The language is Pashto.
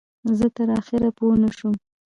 زه تر اخره پوی نشوم.